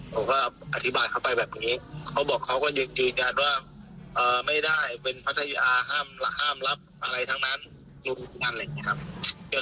ผมก็อธิบายเข้าไปแบบนี้เขาบอกเขาก็ยืนยันว่าไม่ได้เป็นพัทยาห้ามรับอะไรทั้งนั้นนู่นนั่นอะไรอย่างนี้ครับ